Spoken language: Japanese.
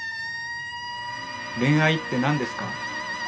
恋愛って何ですか？